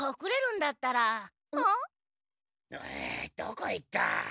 どこ行った？